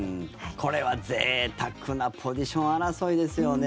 これは、ぜいたくなポジション争いですよね。